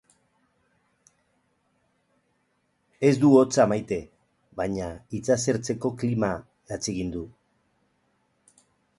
Ez du hotza maite, baina itsas ertzeko klima atsegin du.